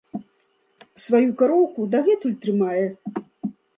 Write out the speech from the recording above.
Сваю кароўку дагэтуль трымае.